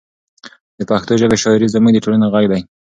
د پښتو ژبې شاعري زموږ د ټولنې غږ دی.